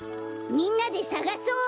みんなでさがそう！